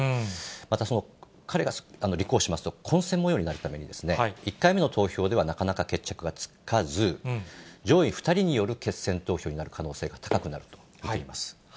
また彼が立候補しますと、混戦もようになるために、１回目の投票ではなかなか決着がつかず、上位２人による決戦投票になる可能性が高くなってきます。